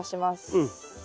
うん。